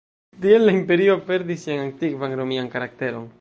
Tiel la imperio perdis sian antikvan romian karakteron.